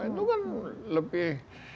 itu kan lebih